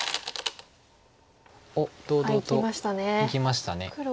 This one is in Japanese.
おっ堂々といきました。